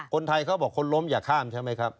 เขาบอกคนล้มอย่าข้ามใช่ไหมครับ